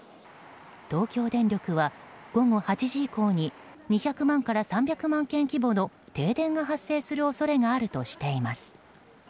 東京電力は午後８時以降に２００万から３００万軒規模の停電が発生する恐れがあるとしています。